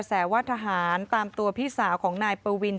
แต่จะบอกเริ่มช่วยตรงนี้นะ